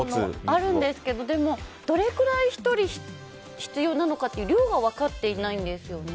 あるんですけどでも、どれくらい１人必要なのかという量が分かってないんですよね。